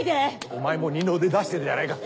お前も二の腕出してるじゃないか！